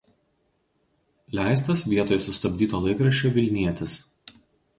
Leistas vietoje sustabdyto laikraščio „Vilnietis“.